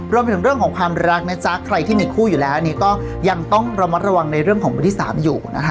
รวมถึงเรื่องของความรักนะจ๊ะใครที่มีคู่อยู่แล้วอันนี้ก็ยังต้องระมัดระวังในเรื่องของวันที่๓อยู่นะคะ